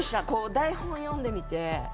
台本を読んでみて。